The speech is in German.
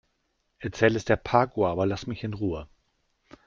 Erzähl es der Parkuhr, aber lass mich in Ruhe.